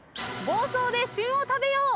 房総で旬を食べよう。